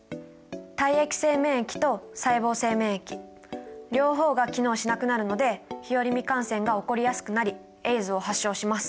体液性免疫と細胞性免疫両方が機能しなくなるので日和見感染が起こりやすくなりＡＩＤＳを発症します。